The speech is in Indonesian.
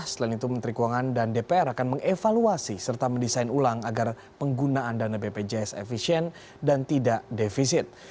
selain itu menteri keuangan dan dpr akan mengevaluasi serta mendesain ulang agar penggunaan dana bpjs efisien dan tidak defisit